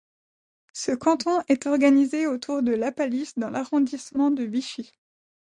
Ce canton est organisé autour de Lapalisse dans l'arrondissement de Vichy.